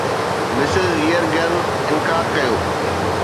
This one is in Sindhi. مسز Yeargan انڪار ڪيو